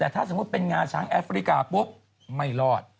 แต่ถ้าสมมุติเป็นงาช้างแอฟริกาปุ๊บไม่รอด